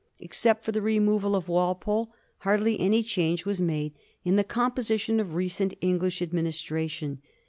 Except for the removal of Wal pole, hardly any change was made in the composition of recent English administration.